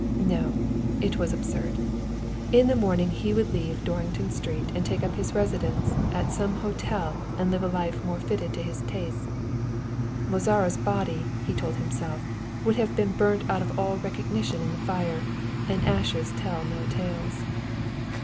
No, it was absurd; in the morning he would leave Dorrington Street and take up his residence at some hotel and live a life more fitted to his tastes. Mozara's body, he told himself, would have been burnt out of all recognition in the fire and ashes tell no tales.